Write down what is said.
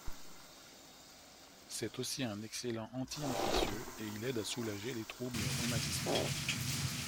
C'est aussi un excellent anti-infectieux et il aide à soulager les troubles rhumatismaux.